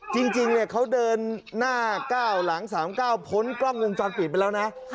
จริงจริงเนี้ยเขาเดินหน้าเก้าหลังสามเก้าพ้นกล้องวงจอดปิดไปแล้วนะฮะ